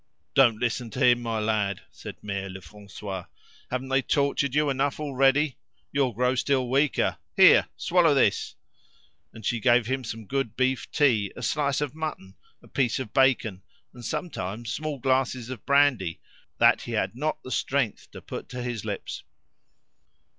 "Don't listen to him, my lad," said Mere Lefrancois, "Haven't they tortured you enough already? You'll grow still weaker. Here! swallow this." And she gave him some good beef tea, a slice of mutton, a piece of bacon, and sometimes small glasses of brandy, that he had not the strength to put to his lips.